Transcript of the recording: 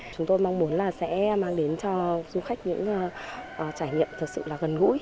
chúng tôi mong muốn là sẽ mang đến cho du khách những trải nghiệm thật sự là gần gũi